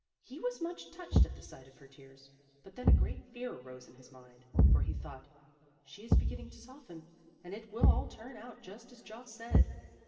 He was much touched at the sight of her tears; but then a great fear arose in his mind, for he thought, "She is beginning to soften, and it will all turn out just as Jost said."